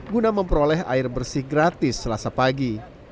guna memperoleh air bersih gratis selasa pagi